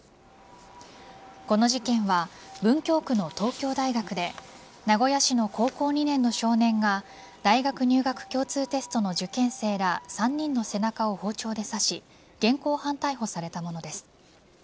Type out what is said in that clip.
この事件は文京区の東京大学で名古屋市の高校２年の少年が大学入学共通テストの受験生ら３人の背中を包丁で刺し現行犯逮捕されたものです。